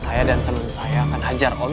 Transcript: saya dan temen saya akan hajar om